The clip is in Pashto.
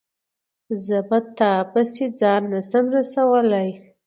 زه په تا پسي ځان نه سم رسولای